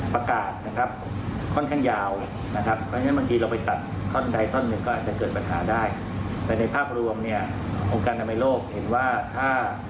แปลในภาพรวมเนี่ยองค์การอนามัยโลกเห็นว่าถ้า